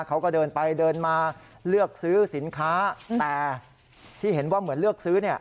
เขาก็เดินไปเดินมาเลือกซื้อสินค้าแต่ที่เห็นว่าเหมือนเลือกซื้อเนี่ย